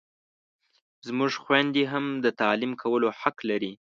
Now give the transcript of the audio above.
زموږ خویندې هم د تعلیم کولو حق لري!